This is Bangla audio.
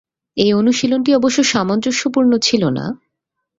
এই অনুশীলনটি অবশ্য সামঞ্জস্যপূর্ণ ছিল না।